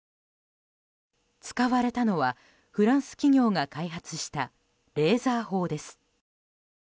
使われたのは、フランス企業が開発したレーザー砲です。